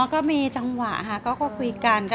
ก็มีจังหวะค่ะก็คุยกัน